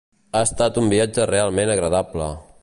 Ha estat un viatge realment agradable.